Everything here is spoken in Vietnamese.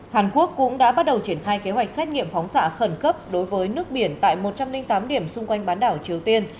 hàn quốc cũng đã bắt đầu triển khai kế hoạch xét nghiệm phóng xạ khẩn cấp đối với nước biển tại một trăm linh tám điểm xung quanh bán đảo triều tiên